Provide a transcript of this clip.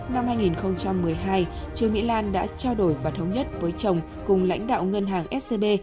năm hai nghìn một mươi hai trương mỹ lan đã trao đổi và thống nhất với chồng cùng lãnh đạo ngân hàng scb